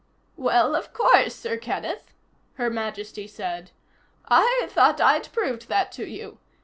"Well, of course, Sir Kenneth," Her Majesty said. "I thought I'd proved that to you.